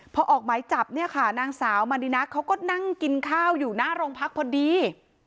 พอออกหมายจับเนี่ยค่ะนางสาวมารินะเขาก็นั่งกินข้าวอยู่หน้าโรงพักพอดี